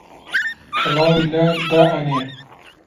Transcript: کڵاوی لار دائەنێ